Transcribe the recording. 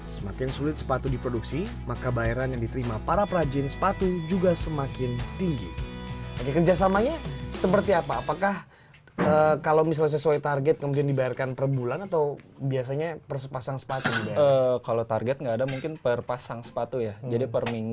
semakin sulit sepatu diproduksi maka bayaran yang diterima para perajin sepatu juga semakin tinggi